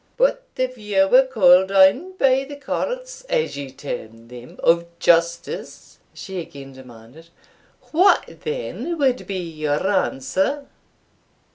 "But if you were called on by the courts, as you term them, of justice," she again demanded, "what then would be your answer?"